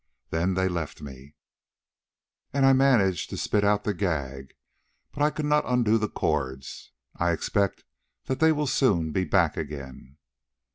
Then they left me, and I managed to spit out the gag, but I could not undo the cords. I expect that they will soon be back again."